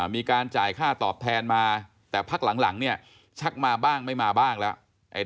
มีการจ่ายค่าตอบแทนมาแต่พักหลังเนี่ยชักมาบ้างไม่มาบ้างแล้ว